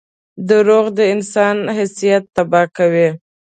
• دروغ د انسان حیثیت تباه کوي.